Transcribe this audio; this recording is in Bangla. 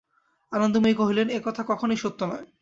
আনন্দময়ী কহিলেন, এ কথা কখনোই সত্য নয়।